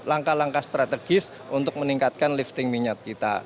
langkah langkah strategis untuk meningkatkan lifting minyak kita